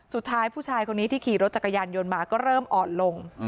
สุดท้ายผู้ชายคนนี้ที่ขี่รถจักรยานยนต์มาก็เริ่มอ่อนลง